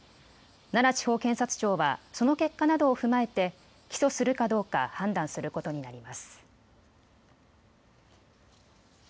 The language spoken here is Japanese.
奈良地方検察庁はその結果などを踏まえて起訴するかどうか判断することになります。